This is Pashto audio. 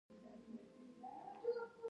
ماريا پر هوارې تيږې کېناسته.